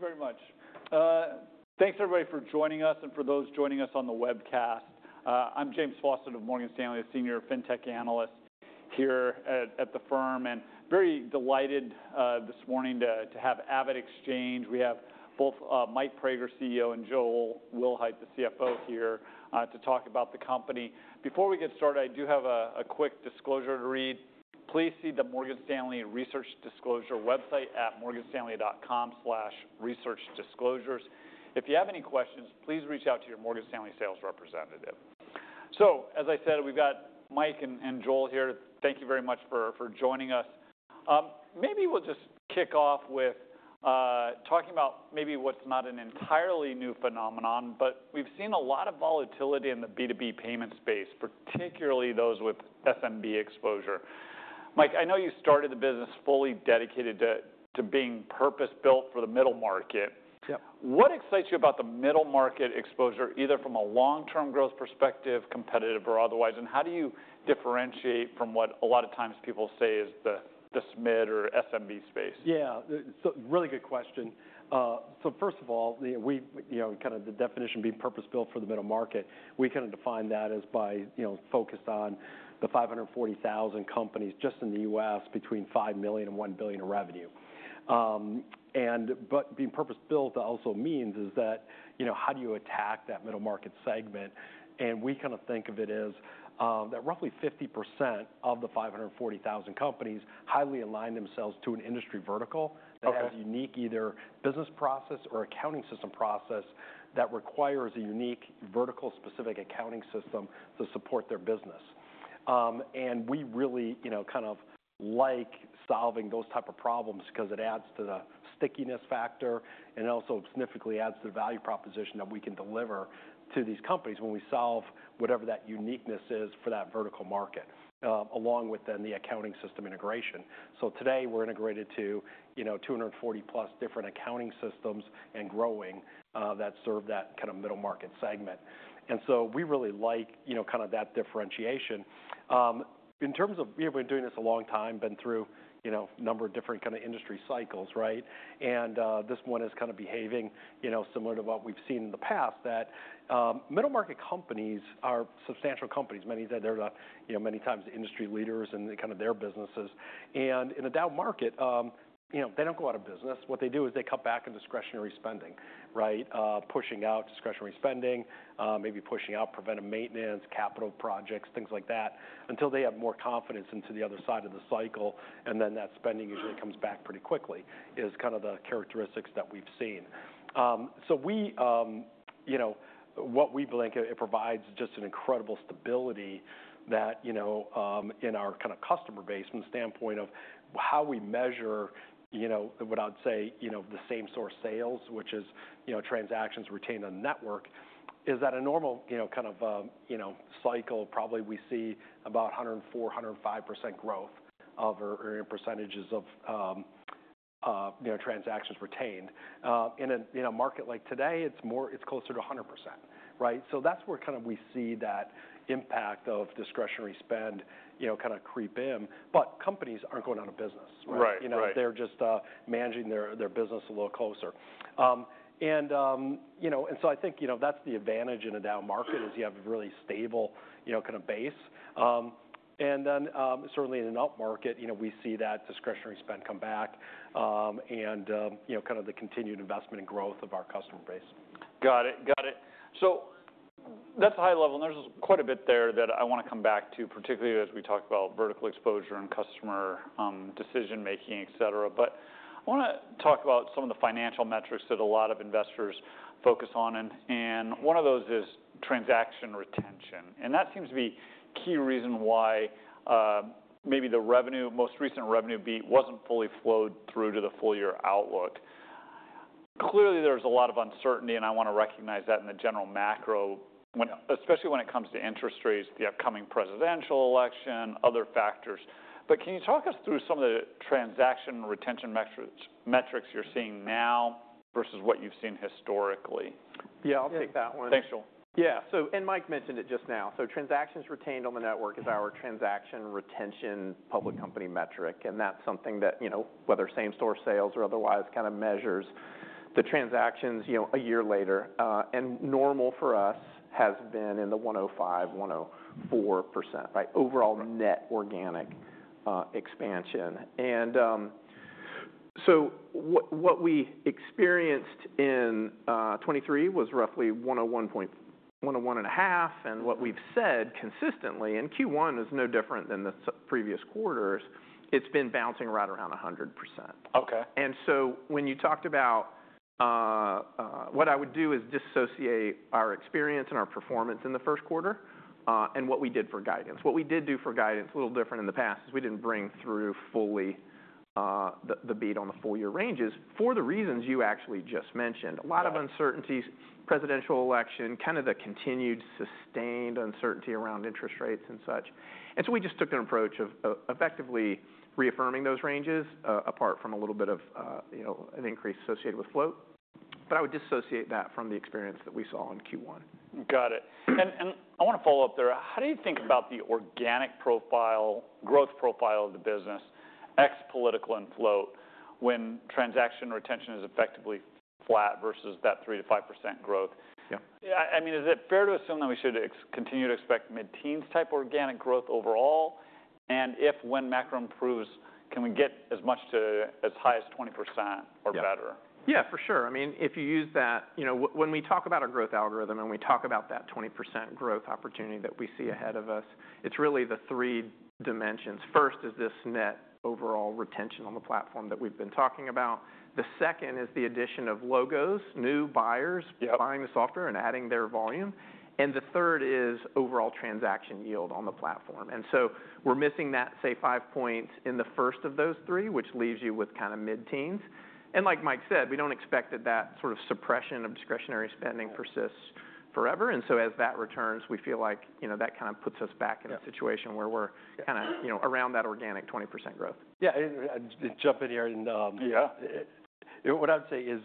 Thank you very much. Thanks everybody for joining us, and for those joining us on the webcast. I'm James Faucette of Morgan Stanley, a Senior Fintech Analyst here at the firm, and very delighted this morning to have AvidXchange. We have both Mike Praeger, CEO, and Joel Wilhite, the CFO here to talk about the company. Before we get started, I do have a quick disclosure to read. Please see the Morgan Stanley Research Disclosure website at morganstanley.com/researchdisclosures. If you have any questions, please reach out to your Morgan Stanley sales representative. So as I said, we've got Mike and Joel here. Thank you very much for joining us. Maybe we'll just kick off with talking about maybe what's not an entirely new phenomenon, but we've seen a lot of volatility in the B2B payment space, particularly those with SMB exposure. Mike, I know you started the business fully dedicated to being purpose-built for the middle market. Yeah. What excites you about the middle market exposure, either from a long-term growth perspective, competitive or otherwise, and how do you differentiate from what a lot of times people say is the mid or SMB space? Yeah. So really good question. So first of all, we, you know, kind of the definition being purpose-built for the Middle Market, we kinda define that as by, you know, focused on the 540,000 companies just in the U.S., between $5 million and $1 billion in revenue. And but being purpose-built also means is that, you know, how do you attack that Middle Market segment? And we kinda think of it as that roughly 50% of the 540,000 companies highly align themselves to an industry vertical that has unique, either business process or accounting system process, that requires a unique vertical-specific accounting system to support their business. And we really, you know, kind of like solving those type of problems because it adds to the stickiness factor, and it also significantly adds to the value proposition that we can deliver to these companies when we solve whatever that uniqueness is for that vertical market, along with then the accounting system integration. So today, we're integrated to, you know, 240+ different accounting systems and growing, that serve that kind of middle market segment. And so we really like, you know, kind of that differentiation. In terms of, we've been doing this a long time, been through, you know, a number of different kinda industry cycles, right? This one is kind of behaving, you know, similar to what we've seen in the past, that middle market companies are substantial companies. Many say they're the, you know, many times the industry leaders in the kind of their businesses. In a down market, you know, they don't go out of business. What they do is they cut back on discretionary spending, right? Pushing out discretionary spending, maybe pushing out preventive maintenance, capital projects, things like that, until they have more confidence into the other side of the cycle, and then that spending usually comes back pretty quickly, is kind of the characteristics that we've seen. So we, you know, what we believe it provides just an incredible stability that, you know, in our kind of customer base, from the standpoint of how we measure, you know, what I'd say, you know, the same store sales, which is, you know, transactions retained on network, is that a normal, you know, kind of, you know, cycle, probably we see about 104%, 105% growth of, or percentages of, you know, transactions retained. In a, in a market like today, it's more it's closer to 100%, right? So that's where kind of we see that impact of discretionary spend, you know, kinda creep in, but companies aren't going out of business, right? Right. You know, they're just managing their business a little closer. And so I think, you know, that's the advantage in a down market, is you have a really stable, you know, kind of base. And then, certainly in an upmarket, you know, we see that discretionary spend come back, and, you know, kind of the continued investment and growth of our customer base. Got it. Got it. So that's a high level, and there's quite a bit there that I wanna come back to, particularly as we talk about vertical exposure and customer decision-making, et cetera. But I wanna talk about some of the financial metrics that a lot of investors focus on, and one of those is transaction retention. And that seems to be key reason why maybe the revenue, most recent revenue beat wasn't fully flowed through to the full year outlook. Clearly, there's a lot of uncertainty, and I wanna recognize that in the general macro. Especially when it comes to interest rates, the upcoming presidential election, other factors. But can you talk us through some of the transaction retention metrics you're seeing now versus what you've seen historically? Yeah, I'll take that one. Thanks, Joel. Yeah. So and Mike mentioned it just now, so Transactions Retained on the Network is our Transaction Retention public company metric, and that's something that, you know, whether same store sales or otherwise, kind of measures the transactions, you know, a year later. And normal for us has been in the 105%, 104%, right? Overall net organic expansion. And so what we experienced in 2023 was roughly 101.5, and what we've said consistently, and Q1 is no different than the previous quarters, it's been bouncing right around 100%. Okay. And so when you talked about what I would do is dissociate our experience and our performance in the first quarter and what we did for guidance. What we did do for guidance, a little different in the past, is we didn't bring through fully the beat on the full year ranges for the reasons you actually just mentioned. A lot of uncertainties, presidential election, kind of the continued sustained uncertainty around interest rates and such. And so we just took an approach of, effectively reaffirming those ranges, apart from a little bit of, you know, an increase associated with float. But I would disassociate that from the experience that we saw in Q1. Got it. And I wanna follow up there. How do you think about the organic profile, growth profile of the business, ex political and float, when transaction retention is effectively flat versus that 3%-5% growth? Yeah. Yeah, I mean, is it fair to assume that we should continue to expect mid-teens type organic growth overall? And if, when macro improves, can we get as much to as high as 20% or better? Yeah, for sure. I mean, if you use that, you know, when we talk about our growth algorithm, and we talk about that 20% growth opportunity that we see ahead of us, it's really the three dimensions. First is this net overall retention on the platform that we've been talking about. The second is the addition of logos, new buyers, buying the software and adding their volume. And the third is overall transaction yield on the platform. And so we're missing that, say, five points in the first of those three, which leaves you with kind of mid-teens. And like Mike said, we don't expect that, that sort of suppression of discretionary spending persists forever. And so as that returns, we feel like, you know, that kind of puts us back in a situation where we're kind of, you know, around that organic 20% growth. Yeah. And, jump in here and Yeah. What I would say is,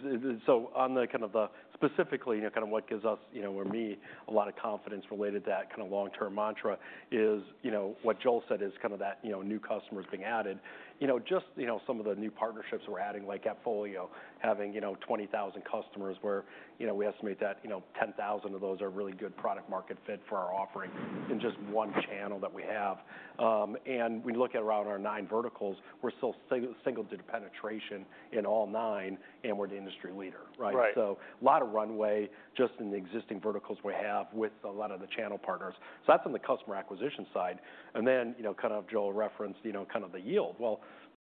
so on the kind of, specifically, you know, kind of what gives us, you know, or me a lot of confidence related to that kind of long-term mantra is, you know, what Joel said is kind of that, you know, new customers being added. You know, just, you know, some of the new partnerships we're adding, like AppFolio, having, you know, 20,000 customers where, you know, we estimate that, you know, 10,000 of those are really good product market fit for our offering in just one channel that we have. And we look at around our nine verticals, we're still single digit penetration in all nine, and we're the industry leader, right? Right. So a lot of runway just in the existing verticals we have with a lot of the channel partners. That's on the customer acquisition side. Then, you know, kind of Joel referenced, you know, kind of the yield. Well,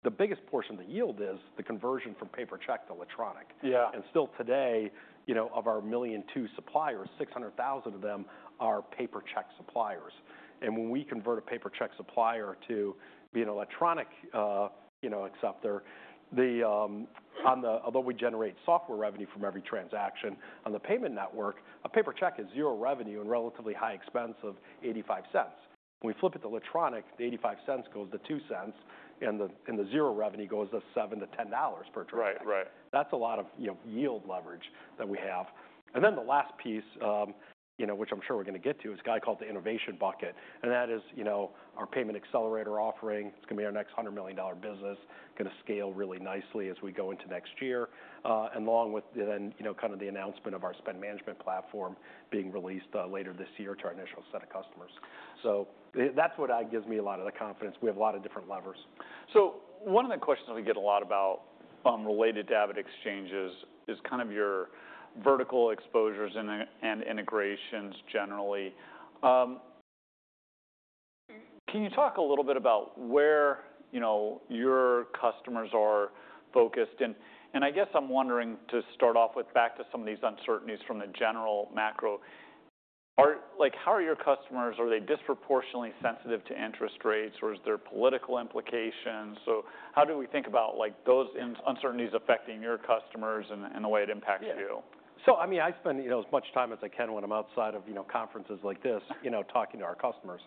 the biggest portion of the yield is the conversion from paper check to electronic. Yeah. Still today, you know, of our a million too suppliers, 600,000 of them are paper check suppliers. When we convert a paper check supplier to be an electronic, you know, acceptor, although we generate software revenue from every transaction, on the payment network, a paper check is zero revenue and relatively high expense of $0.85. When we flip it to electronic, the $0.85 goes to $0.02, and the zero revenue goes to $7-$10 per transaction. Right. That's a lot of, you know, yield leverage that we have. And then the last piece, you know, which I'm sure we're gonna get to, is a guy called the innovation bucket, and that is, you know, our Payment Accelerator offering. It's gonna be our next $100 million business, gonna scale really nicely as we go into next year. And along with then, you know, kind of the announcement of our spend management platform being released, later this year to our initial set of customers. So that's what gives me a lot of the confidence. We have a lot of different levers. So one of the questions we get a lot about, related to AvidXchange is, is kind of your vertical exposures and, and integrations, generally. Can you talk a little bit about where, you know, your customers are focused? And, and I guess I'm wondering, to start off with, back to some of these uncertainties from the general macro. Like, how are your customers, are they disproportionately sensitive to interest rates, or is there political implications? So how do we think about, like, those uncertainties affecting your customers and, and the way it impacts you? Yeah. So, I mean, I spend, you know, as much time as I can when I'm outside of, you know, conferences like this, you know, talking to our customers.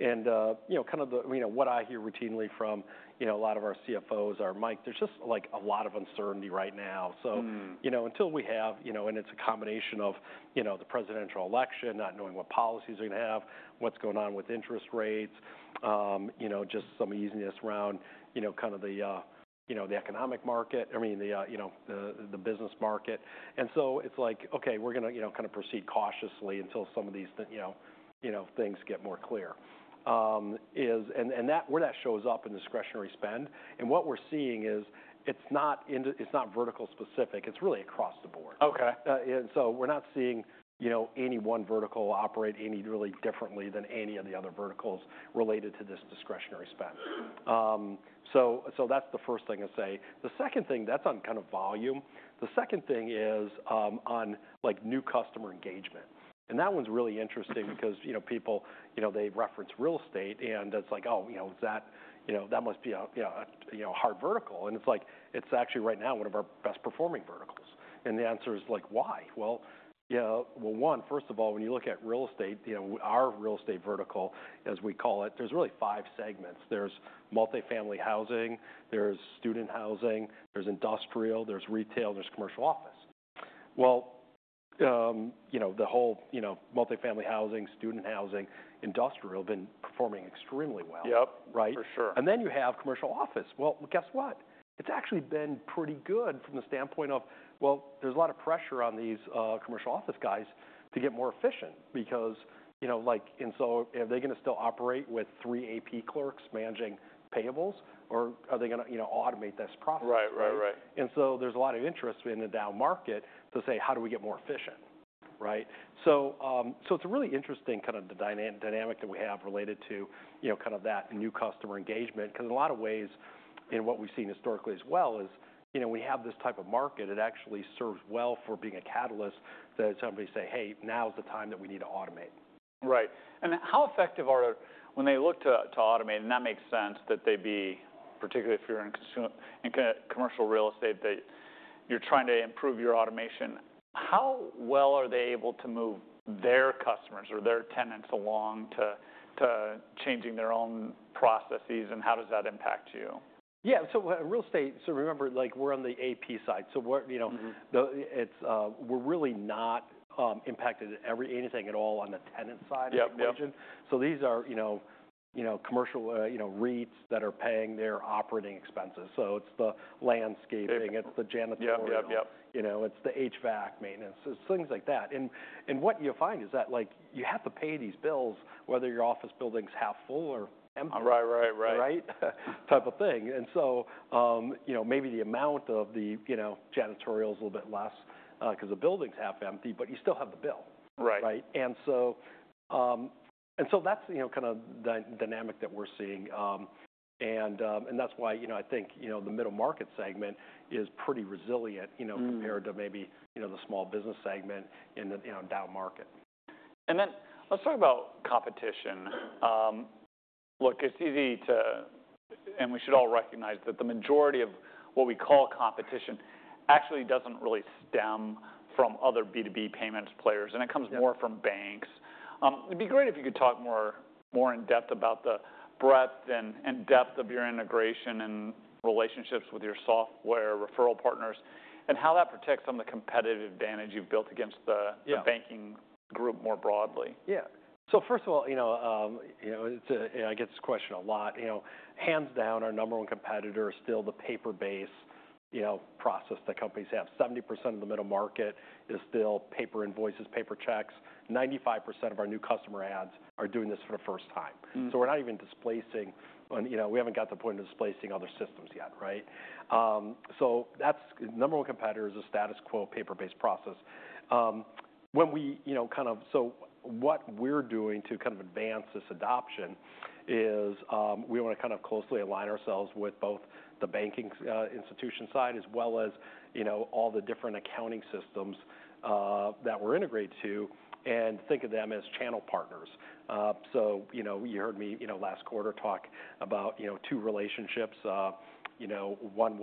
And, you know, kind of the, you know, what I hear routinely from, you know, a lot of our CFOs, or Mike, there's just, like, a lot of uncertainty right now. Mm-hmm. So, you know, until we have, you know. And it's a combination of, you know, the presidential election, not knowing what policies we're gonna have, what's going on with interest rates, you know, just some easiness around, you know, kind of the, you know, the economic market, I mean, the, you know, the, the business market. And so it's like, okay, we're gonna, you know, kind of proceed cautiously until some of these you know, you know, things get more clear. And, and that, where that shows up in discretionary spend, and what we're seeing is, it's not vertical specific, it's really across the board. Okay. And so we're not seeing, you know, any one vertical operate any really differently than any of the other verticals related to this discretionary spend. So that's the first thing I'd say. The second thing, that's on kind of volume. The second thing is, on, like, new customer engagement, and that one's really interesting because, you know, people, you know, they reference real estate, and it's like, oh, you know, is that you know, that must be a, you know, a, you know, hard vertical. And it's like, it's actually right now one of our best performing verticals. And the answer is, like, why? Well, yeah, well, one, first of all, when you look at real estate, you know, our real estate vertical, as we call it, there's really five segments. There's multifamily housing, there's student housing, there's industrial, there's retail, there's commercial office. Well, you know, the whole, you know, multifamily housing, student housing, industrial, have been performing extremely well. Yep. Right? For sure. And then you have commercial office. Well, guess what? It's actually been pretty good from the standpoint of, well, there's a lot of pressure on these commercial office guys to get more efficient because, you know, like, and so are they gonna still operate with three AP clerks managing payables, or are they gonna, you know, automate this process? Right. Right, right. And so there's a lot of interest in the down market to say, how do we get more efficient, right? So, so it's a really interesting kind of dynamic that we have related to, you know, kind of that new customer engagement, 'cause a lot of ways, in what we've seen historically as well, is, you know, we have this type of market, it actually serves well for being a catalyst that somebody say, "Hey, now is the time that we need to automate. Right. And how effective are they when they look to automate, and that makes sense that they'd be, particularly if you're in commercial real estate, that you're trying to improve your automation? How well are they able to move their customers or their tenants along to changing their own processes, and how does that impact you? Yeah, so real estate, so remember, like, we're on the AP side, so w're, you know. Mm-hmm. Though it's, we're really not impacted anything at all on the tenant side of the equation. Yep, yep. So these are, you know, you know, commercial, you know, REITs that are paying their operating expenses, so it's the landscaping. It's the janitorial. Yep, yep, yep. You know, it's the HVAC maintenance, so it's things like that. And, what you'll find is that, like, you have to pay these bills, whether your office building's half full or empty. Right, right, right. Right? Type of thing. And so, you know, maybe the amount of the, you know, janitorial is a little bit less, 'cause the building's half empty, but you still have the bill. Right. Right? And so that's, you know, kind of the dynamic that we're seeing. And that's why, you know, I think, you know, the middle market segment is pretty resilient, you know compared to maybe, you know, the small business segment in the, you know, down market. Then let's talk about competition. Look, it's easy to, and we should all recognize that the majority of what we call competition actually doesn't really stem from other B2B payments players- Yeah. And it comes more from banks. It'd be great if you could talk more in depth about the breadth and depth of your integration and relationships with your software referral partners, and how that protects some of the competitive advantage you've built against the banking group more broadly. Yeah. So first of all, you know, you know, and I get this question a lot, you know, hands down, our number one competitor is still the paper-based, you know, process that companies have. 70% of the middle market is still paper invoices, paper checks, 95% of our new customer adds are doing this for the first time. So we haven't got to the point of displacing other systems yet, right? So that's the number one competitor is the status quo, paper-based process. When we, you know, so what we're doing to kind of advance this adoption is, we wanna kind of closely align ourselves with both the banking institution side, as well as, you know, all the different accounting systems that we're integrated to, and think of them as channel partners. So, you know, you heard me, you know, last quarter talk about, you know, two relationships. You know, one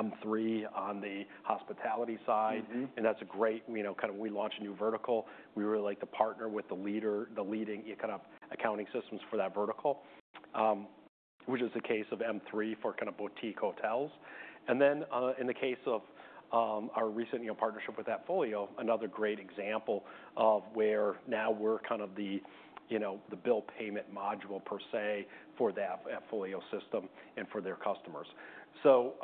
was M3 on the hospitality side. That's a great, you know, kind of we launched a new vertical. We really like to partner with the leader, the leading kind of accounting systems for that vertical, which is the case of M3 for kind of boutique hotels. And then, in the case of our recent, you know, partnership with AppFolio, another great example of where now we're kind of the, you know, the bill payment module per se, for the AppFolio system and for their customers. So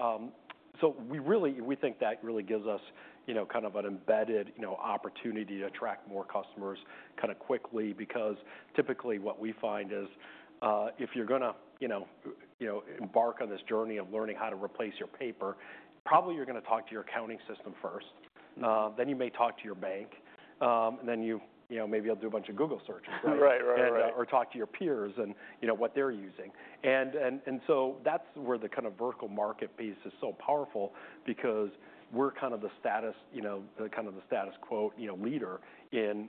we really, we think that really gives us, you know, kind of an embedded, you know, opportunity to attract more customers kind of quickly. Because typically, what we find is, if you're gonna, you know, embark on this journey of learning how to replace your paper, probably you're gonna talk to your accounting system first, then you may talk to your bank. And then you know, maybe you'll do a bunch of Google searches. Right. Right, right, right. Or talk to your peers and, you know, what they're using. And so that's where the kind of vertical market piece is so powerful because we're kind of the status, you know, the kind of the status quo, you know, leader in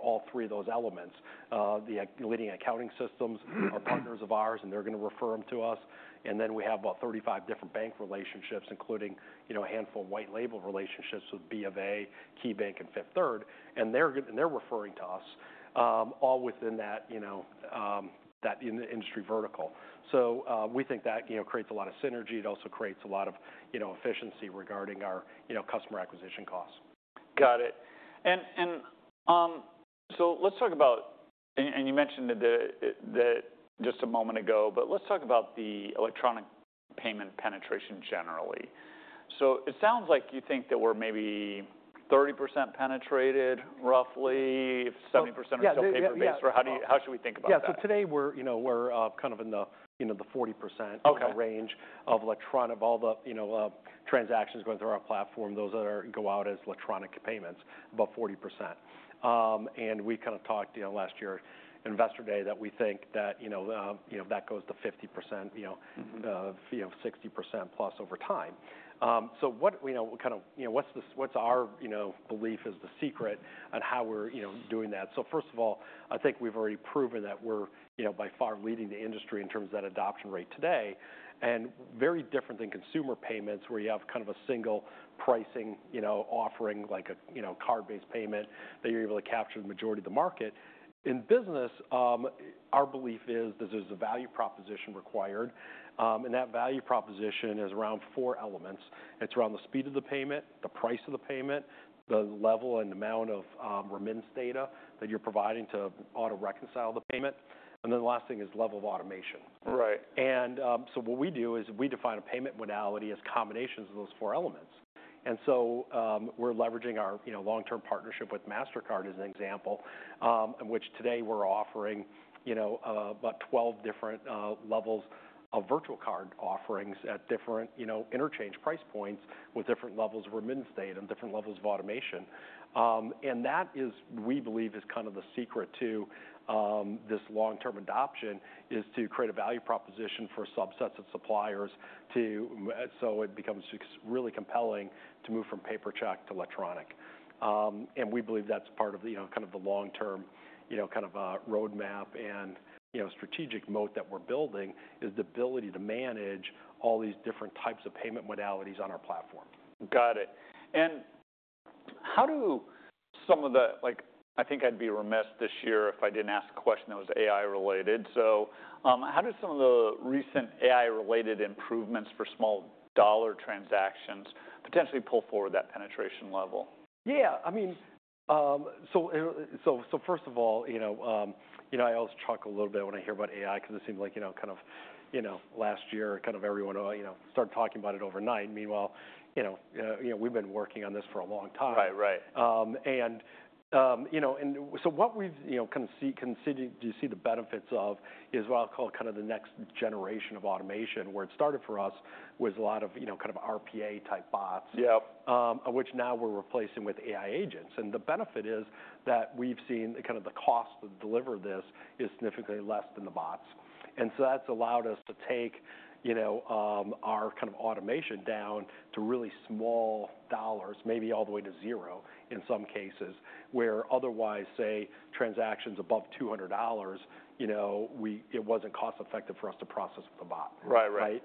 all three of those elements. The leading accounting systems are partners of ours, and they're gonna refer 'em to us. And then we have about 35 different bank relationships, including, you know, a handful of white label relationships with B of A, KeyBank and Fifth Third, and they're referring to us, all within that, you know, that industry vertical. So, we think that, you know, creates a lot of synergy. It also creates a lot of, you know, efficiency regarding our, you know, customer acquisition costs. Got it. So let's talk about, and you mentioned that just a moment ago, but let's talk about the electronic payment penetration generally. So it sounds like you think that we're maybe 30% penetrated, roughly, if 70% are still paper-based. How should we think about that? Yeah, so today we're, you know, we're kind of in the, you know, the 40% range of electronic. Of all the, you know, transactions going through our platform, those that go out as electronic payments, about 40%. And we kind of talked, you know, last year, Investor Day, that we think that, you know, you know, that goes to 50%, you know, 60%+ over time. So what, you know, kind of, you know, what's the, what's our, you know, belief is the secret on how we're, you know, doing that? So first of all, I think we've already proven that we're, you know, by far leading the industry in terms of that adoption rate today. And very different than consumer payments, where you have kind of a single pricing, you know, offering, like a, you know, card-based payment, that you're able to capture the majority of the market. In business, our belief is that there's a value proposition required, and that value proposition is around four elements. It's around the speed of the payment, the price of the payment, the level and amount of, remittance data that you're providing to auto-reconcile the payment, and then the last thing is level of automation. Right. So what we do is we define a payment modality as combinations of those four elements. So, we're leveraging our, you know, long-term partnership with Mastercard, as an example, in which today we're offering, you know, about 12 different levels of virtual card offerings at different, you know, interchange price points with different levels of remittance data and different levels of automation. That is, we believe, kind of the secret to this long-term adoption, is to create a value proposition for subsets of suppliers to... So it becomes really compelling to move from paper check to electronic. And we believe that's part of, you know, kind of the long-term, you know, kind of, roadmap and, you know, strategic moat that we're building, is the ability to manage all these different types of payment modalities on our platform. Got it. How do some of the, like, I think I'd be remiss this year if I didn't ask a question that was AI related. So, how do some of the recent AI-related improvements for small dollar transactions potentially pull forward that penetration level? Yeah, I mean, first of all, you know, I always chuckle a little bit when I hear about AI, cause it seems like, you know, kind of, last year, kind of everyone, you know, started talking about it overnight. Meanwhile, you know, we've been working on this for a long time. Right. Right. You know, so what we've, you know, do see the benefits of is what I'll call kind of the next generation of automation. Where it started for us was a lot of, you know, kind of RPA-type bots- Yep. Which now we're replacing with AI agents. And the benefit is that we've seen kind of the cost to deliver this is significantly less than the bots. And so that's allowed us to take, you know, our kind of automation down to really small dollars, maybe all the way to zero in some cases, where otherwise, say, transactions above $200, you know, it wasn't cost-effective for us to process with a bot. Right. Right. Right?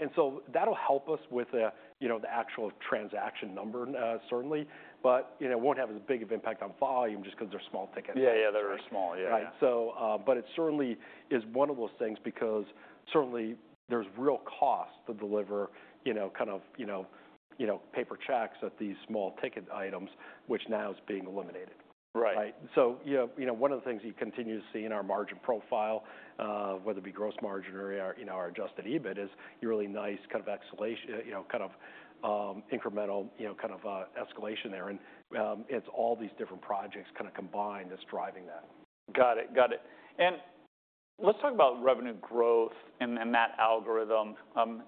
And so that'll help us with the, you know, the actual transaction number, certainly, but, you know, it won't have as big of impact on volume just 'cause they're small tickets. Yeah, yeah, they're small, yeah. Right. So, but it certainly is one of those things, because certainly there's real cost to deliver, you know, kind of, you know, you know, paper checks at these small ticket items, which now is being eliminated. Right. Right? So, you know, you know, one of the things you continue to see in our margin profile, whether it be gross margin or our, in our adjusted EBIT, is a really nice kind of escalation... you know, kind of, incremental, you know, kind of, escalation there. And, it's all these different projects kind of combined that's driving that. Got it. Got it. And let's talk about revenue growth and that algorithm.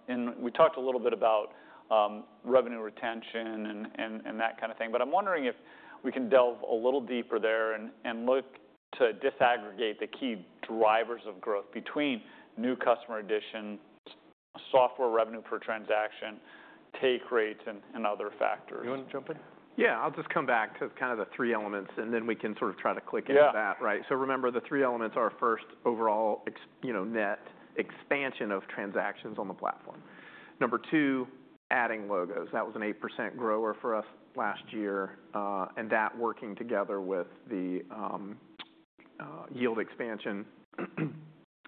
And we talked a little bit about revenue retention and that kind of thing, but I'm wondering if we can delve a little deeper there and look to disaggregate the key drivers of growth between new customer additions, software revenue per transaction, take rates, and other factors. You want to jump in? Yeah, I'll just come back to kind of the three elements, and then we can sort of try to click into that. Yeah. Right. So remember, the three elements are, first, overall, you know, net expansion of transactions on the platform. Number two, adding logos. That was an 8% grower for us last year, and that working together with the yield expansion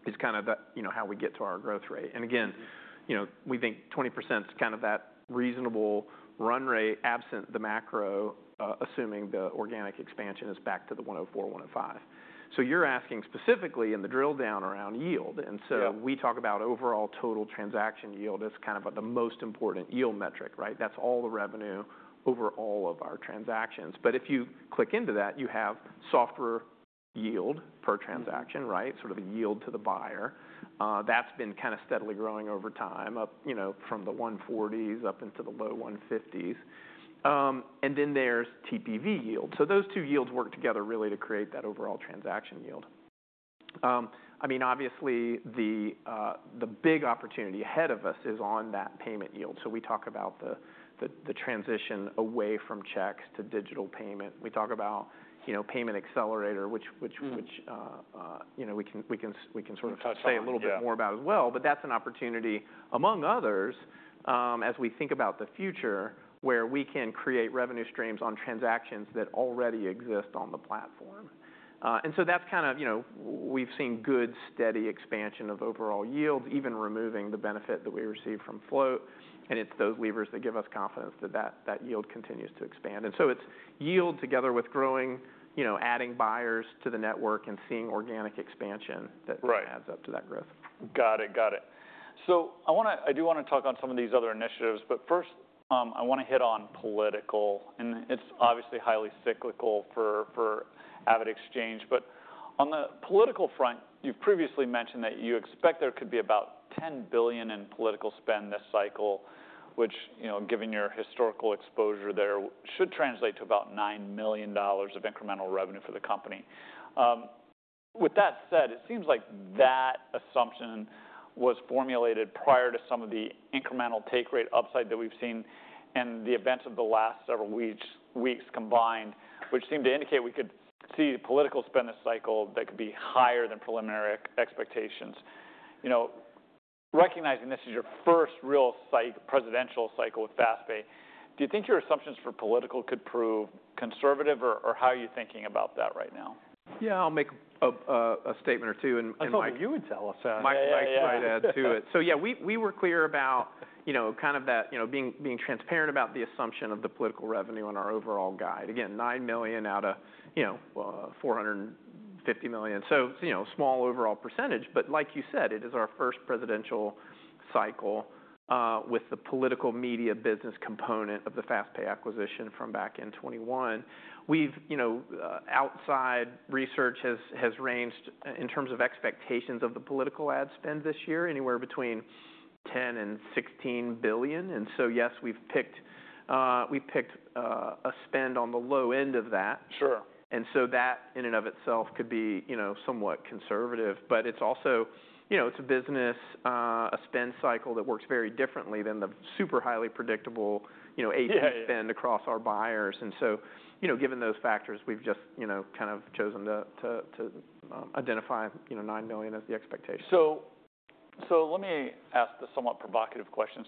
is kind of the, you know, how we get to our growth rate. And again, you know, we think 20% is kind of that reasonable run rate, absent the macro, assuming the organic expansion is back to the 104%, 105%. So you're asking specifically in the drill down around yield, and so- Yeah We talk about overall total transaction yield as kind of the most important yield metric, right? That's all the revenue over all of our transactions. But if you click into that, you have software yield per transaction, right? Sort of a yield to the buyer. That's been kind of steadily growing over time, up, you know, from the $1.40s up into the low $1.50s. And then there's TPV yield. So those two yields work together really to create that overall transaction yield. I mean, obviously, the big opportunity ahead of us is on that payment yield. So we talk about the transition away from checks to digital payment. We talk about, you know, payment accelerator, which, you know, we can, we can, we can sort of- Touch on. Say a little bit more about as well. But that's an opportunity, among others, as we think about the future, where we can create revenue streams on transactions that already exist on the platform. And so that's kind of, you know, we've seen good, steady expansion of overall yields, even removing the benefit that we receive from float, and it's those levers that give us confidence that, that yield continues to expand. And so it's yield together with growing, you know, adding buyers to the network and seeing organic expansion that adds up to that growth. Got it. Got it. So I wanna, I do wanna talk on some of these other initiatives, but first, I wanna hit on political. And it's obviously highly cyclical for AvidXchange, but on the political front, you've previously mentioned that you expect there could be about $10 billion in political spend this cycle, which, you know, given your historical exposure there, should translate to about $9 million of incremental revenue for the company. With that said, it seems like that assumption was formulated prior to some of the incremental take rate upside that we've seen and the events of the last several weeks combined, which seem to indicate we could see the political spend this cycle that could be higher than preliminary expectations. You know, recognizing this is your first real presidential cycle with FastPay, do you think your assumptions for political could prove conservative, or how are you thinking about that right now? Yeah, I'll make a statement or two. I thought you would tell us. Mike might add to it. So yeah, we were clear about, you know, kind of that, you know, being transparent about the assumption of the political revenue on our overall guide. Again, $9 million out of, you know, $450 million, so it's, you know, a small overall percentage. But like you said, it is our first presidential cycle with the political media business component of the FastPay acquisition from back in 2021. You know, outside research has ranged in terms of expectations of the political ad spend this year, anywhere between $10 billion and $16 billion. And so, yes, we've picked a spend on the low end of that. Sure. And so that, in and of itself, could be, you know, somewhat conservative, but it's also, you know, it's a business, a spend cycle that works very differently than the super highly predictable, you know, AP- Yeah, yeah Spend across our buyers. And so, you know, given those factors, we've just, you know, kind of chosen to identify, you know, $9 million as the expectation. So let me ask the somewhat provocative question.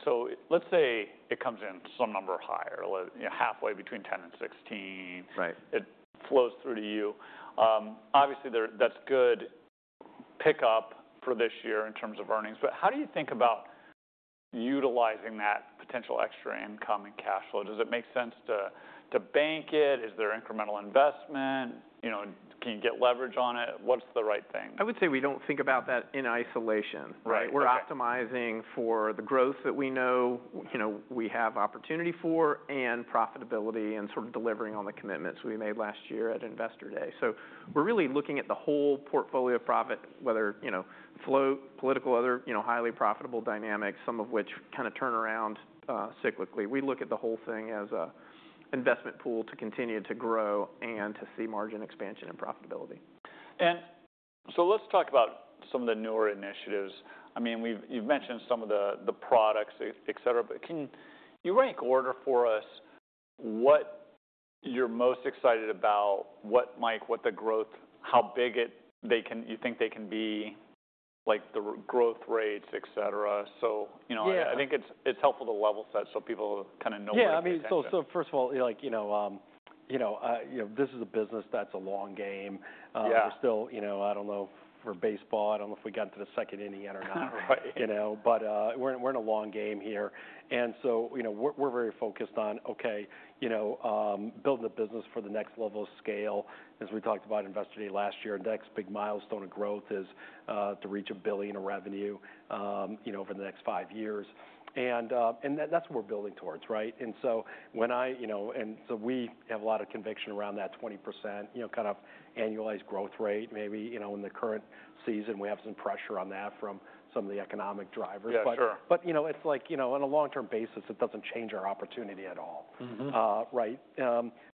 Let's say it comes in some number higher, you know, halfway between 10 and 16. Right. It flows through to you. Obviously, that's good pickup for this year in terms of earnings, but how do you think about utilizing that potential extra income and cash flow? Does it make sense to bank it? Is there incremental investment? You know, can you get leverage on it? What's the right thing? I would say we don't think about that in isolation. Right. Okay. We're optimizing for the growth that we know, you know, we have opportunity for, and profitability, and sort of delivering on the commitments we made last year at Investor Day. So we're really looking at the whole portfolio profit, whether, you know, flow, political, other, you know, highly profitable dynamics, some of which kind of turn around, cyclically. We look at the whole thing as a investment pool to continue to grow and to see margin expansion and profitability. And so let's talk about some of the newer initiatives. I mean, you've mentioned some of the products, et cetera, but can you rank order for us what you're most excited about? What the growth, how big they can, you think they can be, like, the growth rates, et cetera? So, you know- Yeah I think it's, it's helpful to level set so people kind of know where to pay attention. Yeah, I mean, so first of all, like, you know, you know, you know, this is a business that's a long game. Yeah. We're still, you know... I don't know, for baseball, I don't know if we got into the second inning yet or not. You know, but we're in a long game here, and so, you know, we're very focused on, okay, you know, building the business for the next level of scale. As we talked about Investor Day last year, the next big milestone of growth is to reach $1 billion in revenue, you know, over the next five years. And that's what we're building towards, right? And so when I, you know, and so we have a lot of conviction around that 20%, you know, kind of annualized growth rate, maybe. You know, in the current season, we have some pressure on that from some of the economic drivers. Yeah, sure. But, you know, it's like, you know, on a long-term basis, it doesn't change our opportunity at all. Right?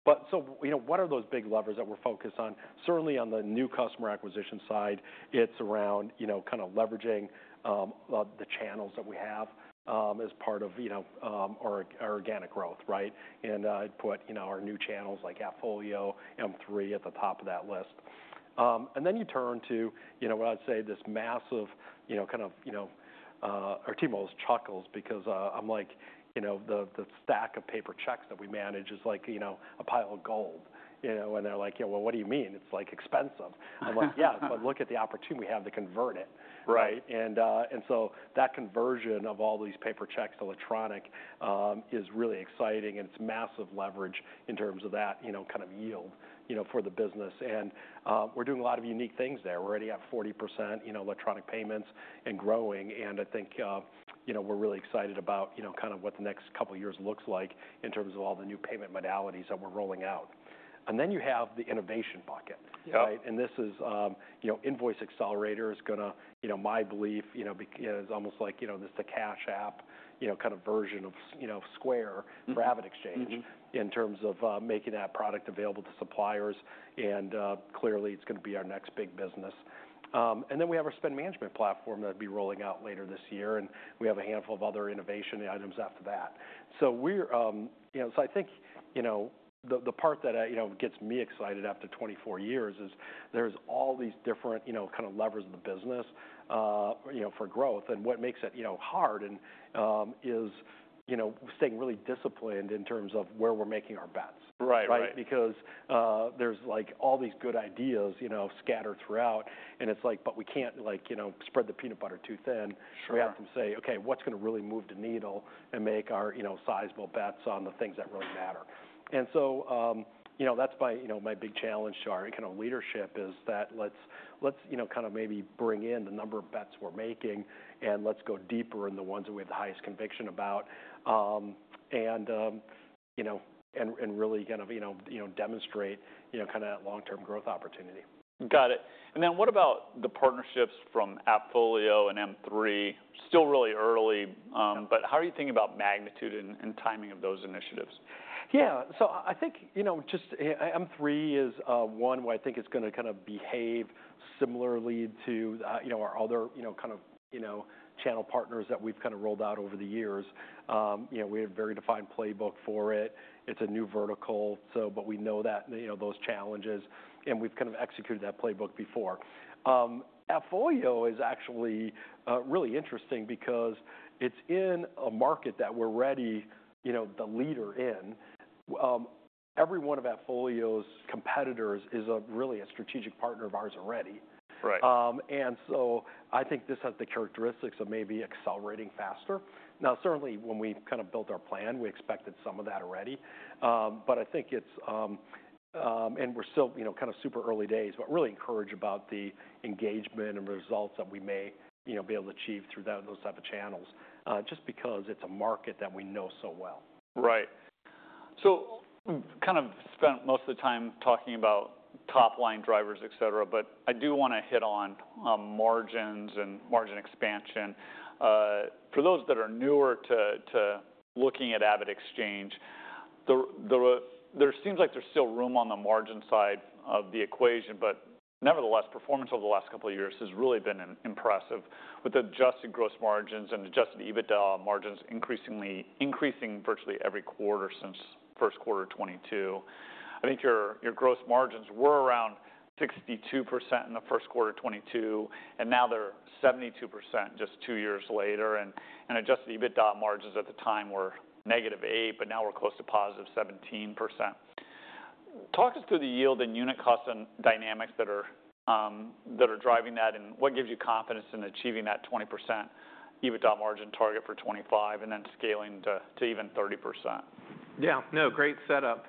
But so, you know, what are those big levers that we're focused on? Certainly, on the new customer acquisition side, it's around, you know, kind of leveraging the channels that we have as part of, you know, our organic growth, right? And I'd put, you know, our new channels, like AppFolio, M3, at the top of that list. And then you turn to, you know, what I'd say, this massive, you know, kind of our team always chuckles because I'm like, "You know, the stack of paper checks that we manage is like, you know, a pile of gold." You know, and they're like: "Yeah, well, what do you mean? It's like expensive." I'm like: "Yeah, but look at the opportunity we have to convert it. Right. And so that conversion of all these paper checks to electronic is really exciting, and it's massive leverage in terms of that, you know, kind of yield, you know, for the business. And we're doing a lot of unique things there. We're already at 40% electronic payments and growing, and I think, you know, we're really excited about, you know, kind of what the next couple of years looks like in terms of all the new payment modalities that we're rolling out. And then you have the innovation bucket. Yep. Right? And this is, you know, Invoice Accelerator is gonna, you know, my belief, you know, is almost like, you know, this, the Cash App, you know, kind of version of, you know, Square for AvidXchange in terms of making that product available to suppliers, and clearly, it's gonna be our next big business. And then we have our spend management platform that'll be rolling out later this year, and we have a handful of other innovation items after that. So we're, you know, so I think, you know, the part that, you know, gets me excited after 24 years is there's all these different, you know, kind of levers in the business, you know, for growth. And what makes it, you know, hard and is, you know, staying really disciplined in terms of where we're making our bets. Right. Right. Right? Because, there's, like, all these good ideas, you know, scattered throughout, and it's like, but we can't like, you know, spread the peanut butter too thin. Sure. We have to say, "Okay, what's gonna really move the needle and make our, you know, sizable bets on the things that really matter?" And so, you know, that's my, you know, my big challenge to our kind of leadership, is that let's, let's, you know, kind of maybe bring in the number of bets we're making, and let's go deeper in the ones that we have the highest conviction about. And, you know, and, and really kind of, you know, you know, demonstrate, you know, kind of that long-term growth opportunity. Got it. And then what about the partnerships from AppFolio and M3? Still really early, but how are you thinking about magnitude and timing of those initiatives? Yeah, so I, I think, you know, just, M3 is, one where I think it's gonna kind of behave similarly to, you know, our other, you know, kind of, you know, channel partners that we've kind of rolled out over the years. You know, we have a very defined playbook for it. It's a new vertical, so but we know that, you know, those challenges, and we've kind of executed that playbook before. AppFolio is actually, really interesting because it's in a market that we're already, you know, the leader in. Every one of AppFolio's competitors is a really a strategic partner of ours already. Right. So I think this has the characteristics of maybe accelerating faster. Now, certainly, when we kind of built our plan, we expected some of that already, but I think it's. We're still, you know, kind of super early days, but really encouraged about the engagement and results that we may, you know, be able to achieve through that, those type of channels, just because it's a market that we know so well. Right. So kind of spent most of the time talking about top-line drivers, et cetera, but I do wanna hit on margins and margin expansion. For those that are newer to looking at AvidXchange, there seems like there's still room on the margin side of the equation, but nevertheless, performance over the last couple of years has really been impressive, with adjusted gross margins and adjusted EBITDA margins increasing virtually every quarter since first quarter 2022. I think your gross margins were around 62% in the first quarter of 2022, and now they're 72% just two years later, and adjusted EBITDA margins at the time were -8%, but now we're close to +17%. Talk us through the yield and unit cost and dynamics that are, that are driving that, and what gives you confidence in achieving that 20% EBITDA margin target for 2025, and then scaling to, to even 30%? Yeah. No, great setup.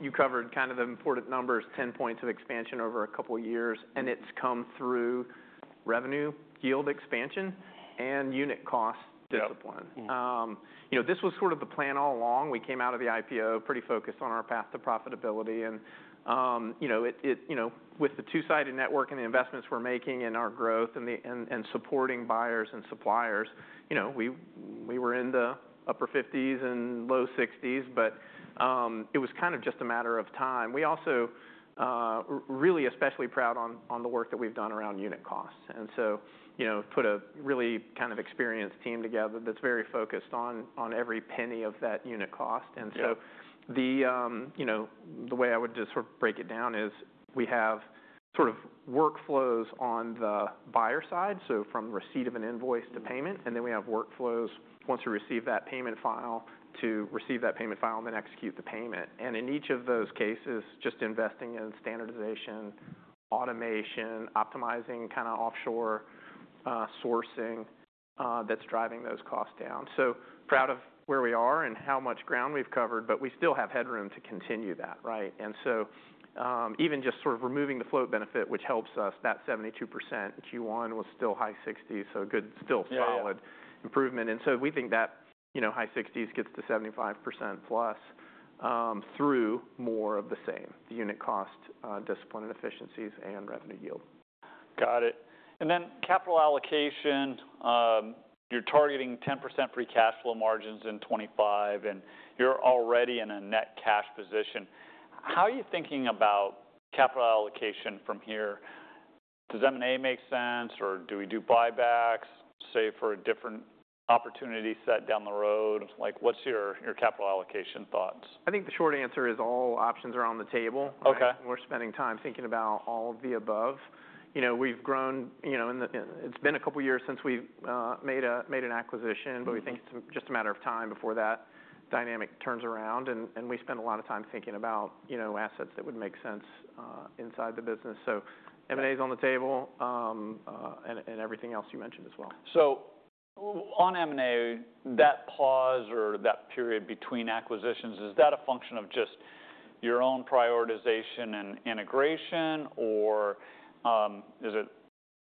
You covered kind of the important numbers, 10 points of expansion over a couple of years, and it's come through revenue, yield expansion, and unit cost discipline. You know, this was sort of the plan all along. We came out of the IPO pretty focused on our path to profitability, and, you know, with the two-sided network and the investments we're making in our growth and supporting buyers and suppliers, you know, we were in the upper 50s and low 60s, but it was kind of just a matter of time. We also really especially proud on the work that we've done around unit costs, and so, you know, put a really kind of experienced team together that's very focused on every penny of that unit cost. And, you know, the way I would just sort of break it down is we have sort of workflows on the buyer side, so from receipt of an invoice to payment, and then we have workflows once we receive that payment file, to receive that payment file and then execute the payment. And in each of those cases, just investing in standardization, automation, optimizing kind of offshore sourcing, that's driving those costs down. So proud of where we are and how much ground we've covered, but we still have headroom to continue that, right? And so, even just sort of removing the float benefit, which helps us, that 72%, Q1 was still high 60s%, so good, still solid improvement. And so we think that, you know, high 60s gets to 75%+, through more of the same: unit cost, discipline and efficiencies and revenue yield. Got it. And then capital allocation, you're targeting 10% free cash flow margins in 2025, and you're already in a net cash position. How are you thinking about capital allocation from here? Does M&A make sense, or do we do buybacks, say, for a different opportunity set down the road? Like, what's your, your capital allocation thoughts? I think the short answer is all options are on the table. Okay. We're spending time thinking about all of the above. You know, we've grown, you know, and the... It's been a couple of years since we've made an acquisition but we think it's just a matter of time before that dynamic turns around, and we spend a lot of time thinking about, you know, assets that would make sense inside the business. So M&A is on the table, and everything else you mentioned as well. So on M&A, that pause or that period between acquisitions, is that a function of just your own prioritization and integration, or is it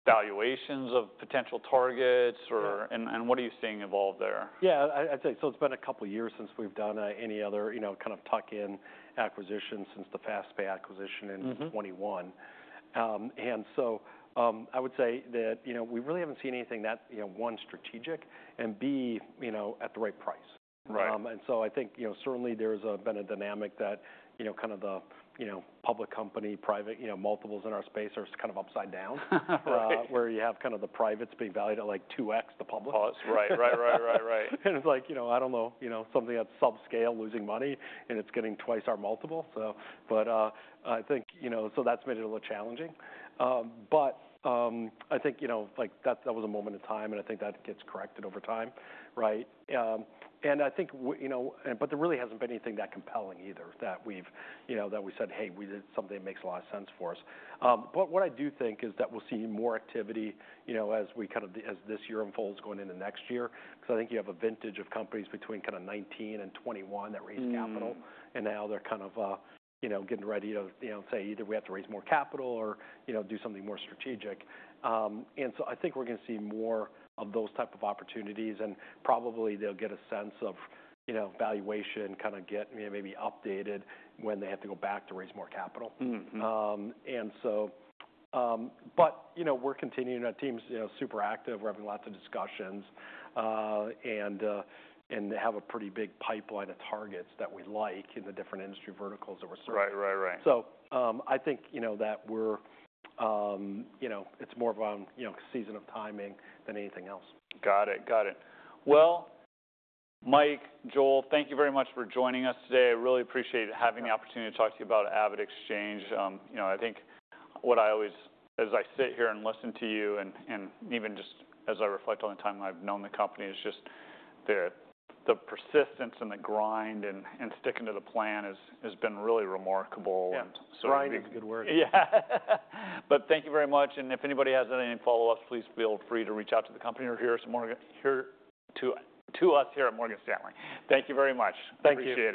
valuations of potential targets. And what are you seeing involved there? Yeah, I'd say, so it's been a couple of years since we've done any other, you know, kind of tuck-in acquisition since the FastPay acquisition in 2021. And so, I would say that, you know, we really haven't seen anything that, you know, A, strategic, and B, you know, at the right price. Right. And so I think, you know, certainly there's been a dynamic that, you know, kind of the, you know, public company, private, you know, multiples in our space are kind of upside down. Where you have kind of the privates being valued at, like, 2x the public. Oh, right, right, right, right, right. And it's like, you know, I don't know, you know, something that's subscale, losing money, and it's getting twice our multiple, so. But, I think, you know, so that's made it a little challenging. But, I think, you know, like, that, that was a moment in time, and I think that gets corrected over time, right? And I think you know, but there really hasn't been anything that compelling either, that we've, you know, that we said, "Hey, we did something that makes a lot of sense for us." But what I do think is that we'll see more activity, you know, as this year unfolds going into next year, because I think you have a vintage of companies between kind of 2019 and 2021 that raised capital. Now they're kind of, you know, getting ready to, you know, say, either we have to raise more capital or, you know, do something more strategic. So I think we're gonna see more of those type of opportunities, and probably they'll get a sense of, you know, valuation, kind of get maybe updated when they have to go back to raise more capital. And so, but, you know, we're continuing. Our team's, you know, super active. We're having lots of discussions, and they have a pretty big pipeline of targets that we like in the different industry verticals that we're serving. Right, right, right. I think, you know, that we're, you know, it's more of a, you know, season of timing than anything else. Got it. Got it. Well, Mike, Joel, thank you very much for joining us today. I really appreciate having the opportunity to talk to you about AvidXchange. You know, I think what I always, as I sit here and listen to you, and even just as I reflect on the time I've known the company, is just the persistence and the grind and sticking to the plan has been really remarkable, and so- Yeah, grind is a good word. Yeah. But thank you very much, and if anybody has any follow-ups, please feel free to reach out to the company or to us here at Morgan Stanley. Thank you very much. Thank you. Appreciate it.